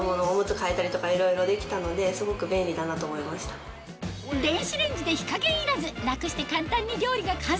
そこで電子レンジで火加減いらず楽して簡単に料理が完成